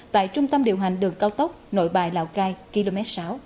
tại trung tâm điều hành đường cao tốc nội bài lào cai km sáu